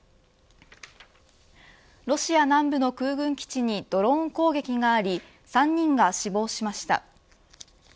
ロシア南部の空軍基地にドローン攻撃があり３人が死亡しました。